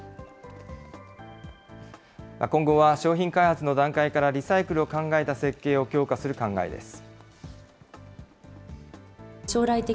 今後は商品開発の段階から、リサイクルを考えた設計を強化する考えです。